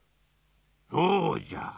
そうじゃ。